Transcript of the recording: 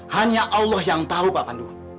hanya allah yang tahu pak panduan